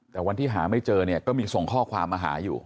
แต่วันที่หาไม่เจอเนี่ยก็มีส่งข้อความมาหาอยู่